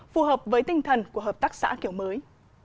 phù hợp với tinh thần của hợp tác xã kiểu mới